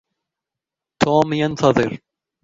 توم ينتظر.